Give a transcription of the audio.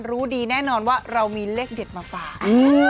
รู้ดีแน่นอนว่าเรามีเลขเด็ดมาฝาก